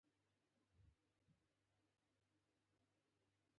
هیڅ کس باید جرم ترسره نه کړي.